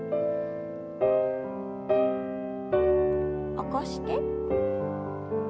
起こして。